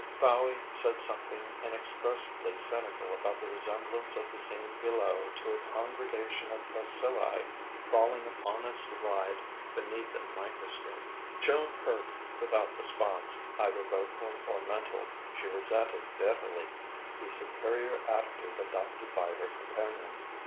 Fowey said something inexpressively cynical about the resemblance of the scene below to a congregation of bacilli crawling upon a slide beneath a microscope. Joan heard without response, either vocal or mental. She resented bitterly the superior attitude adopted by her companion.